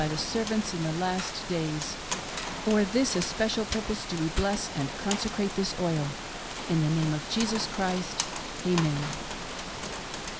thy servants in the last days;— for this especial purpose do we bless and conse crate this oil; in the name of Jesus Christ — Amen."